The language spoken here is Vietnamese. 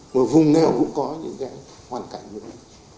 một vùng nào cũng có những hoàn cảnh như thế này